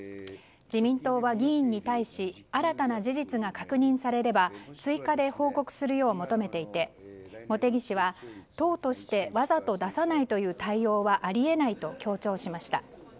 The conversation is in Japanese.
自民党は議員に対し新たな事実が確認されれば追加で報告するよう求めていて茂木氏は、党としてわざと出さないという対応はあり得ないと強調しました。